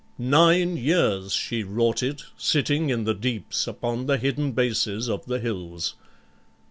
Nine years she wrought it, sitting in the deeps Upon the hidden bases of the hills.'